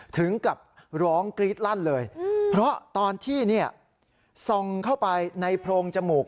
ถึงกับร้องกรี๊ดลั่นเลยเพราะตอนที่ส่องเข้าไปในโพรงจมูก